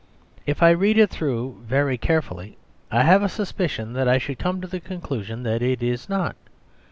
If I read it through very carefully I have a suspicion that I should come to the conclusion that it is not.